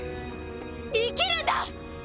生きるんだ！